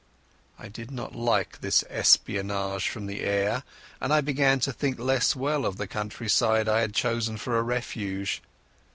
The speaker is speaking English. I did not like this espionage from the air, and I began to think less well of the countryside I had chosen for a refuge.